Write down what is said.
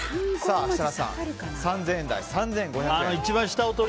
設楽さん、３０００円台３５００円と。